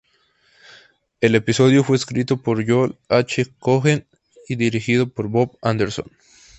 El episodio fue escrito por Joel H. Cohen y dirigido por Bob Anderson.